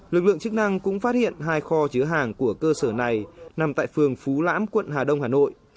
lực lượng chức năng cũng phát hiện hai kho chứa hàng của cơ sở này nằm tại phường phú lãm quận hà đông hà nội